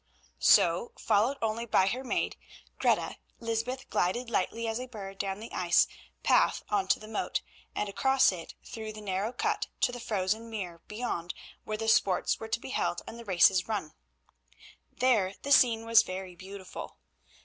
So, followed only by her maid, Greta, Lysbeth glided lightly as a bird down the ice path on to the moat, and across it, through the narrow cut, to the frozen mere beyond, where the sports were to be held and the races run. There the scene was very beautiful.